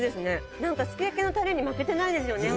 なんかすきやきのタレに負けてないですよね。